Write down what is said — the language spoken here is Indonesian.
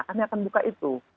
kami akan buka itu